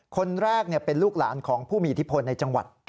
คนแรกเป็นลูกหลานของผู้มีอิทธิพลในจังหวัด